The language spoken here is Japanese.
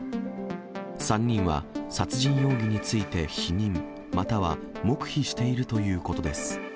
３人は殺人容疑について否認、または黙秘しているということです。